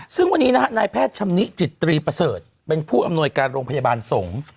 ซึ่งวันนี้นะฮะนายแพทย์ชำนิจิตตรีประเสริฐเป็นผู้อำนวยการโรงพยาบาลสงฆ์